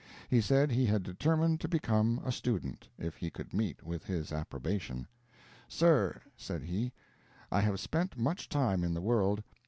He said he had determined to become a student, if he could meet with his approbation. "Sir," said he, "I have spent much time in the world.